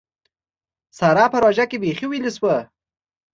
سارا په روژه کې بېخي ويلې شوه.